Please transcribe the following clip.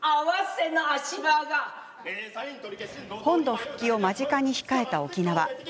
本土復帰を間近に控えた沖縄。